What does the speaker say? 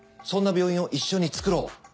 そんな病院を一緒に作ろう！